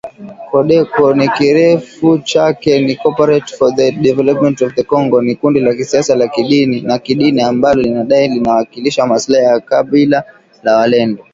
CODECO kirefu chake ni Cooperative for the Development of the Congo ni kundi la kisiasa na kidini ambalo linadai linawakilisha maslahi ya kabila la walendu